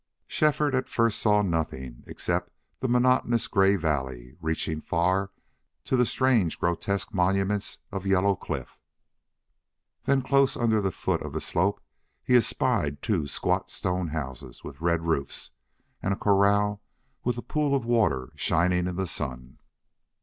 Shefford at first saw nothing except the monotonous gray valley reaching far to the strange, grotesque monuments of yellow cliff. Then close under the foot of the slope he espied two squat stone houses with red roofs, and a corral with a pool of water shining in the sun.